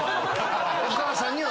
お母さんには。